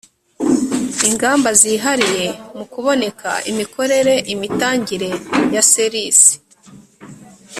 ingamba zihariye mu kuboneza imikorere imitangire ya ser isi